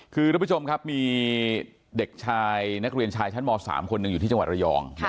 คือทหรือปุ้ยจมครับมีเนื้อเด็กชายเรือนชายชั้นหมอ๓คนนึงอยู่ที่จังหวัดระยอง